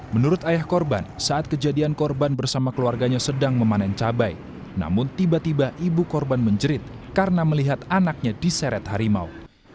menurut ayah korban saat kejadian korban bersama keluarganya sedang memanen cabai namun tiba tiba ibu korban menjerit karena melihat anaknya diseret harimau